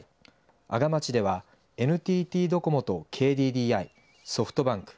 阿賀町ではＮＴＴドコモとＫＤＤＩソフトバンク。